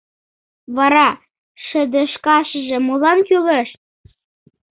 Вара, шыдешкашыже молан кӱлеш?